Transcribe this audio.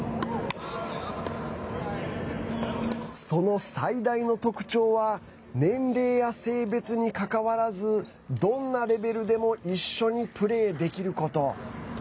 その最大の特徴は年齢や性別にかかわらずどんなレベルでも一緒にプレーできること。